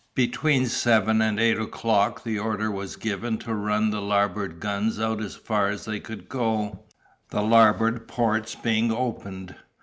Between seven and eight o'clock the order was given to run the larboard guns out as far as they could go, the larboard ports being opened.